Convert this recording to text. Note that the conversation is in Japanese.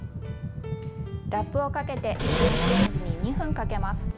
ラップをかけて電子レンジに２分かけます。